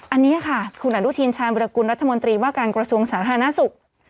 อันนี้ค่ะคุณอนุทินชาญวิรากุลรัฐมนตรีว่าการกระทรวงสาธารณสุข